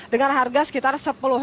dengan harga sekitar sepuluh